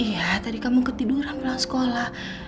iya tadi kamu ketiduran pulang sekolah